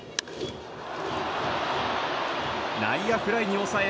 内野フライに抑え